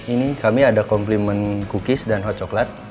ini kami ada komplimen cookies dan hot chocolate